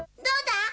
どうだ？